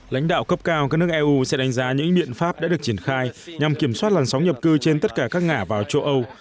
lãnh đạo cấp cao các nước eu sẽ đánh giá những biện pháp đã được triển khai nhằm kiểm soát làn sóng nhập cư trên tất cả các ngã vào châu âu